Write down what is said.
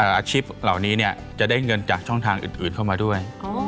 อาชีพเหล่านี้จะได้เงินจากช่องทางอื่นเข้ามาด้วย